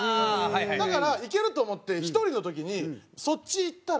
だから行けると思って１人の時にそっち行ったら。